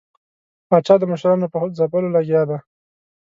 پاچا د مشرانو په ځپلو لګیا دی.